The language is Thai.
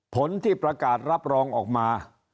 ผลที่ประกาศรับรองออกมา